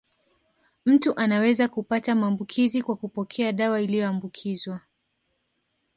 Mtu anaweza kupata maambukizi kwa kupokea dawa iliyoambukizwa